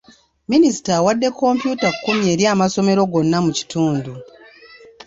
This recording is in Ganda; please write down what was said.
Minisita awadde kompyuta kkumi eri amasomero gonna mu kitundu.